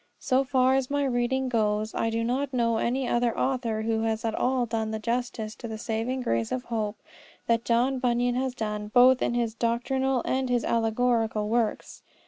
So far as my reading goes I do not know any other author who has at all done the justice to the saving grace of hope that John Bunyan has done both in his doctrinal and in his allegorical works.